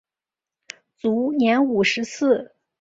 卒年五十四。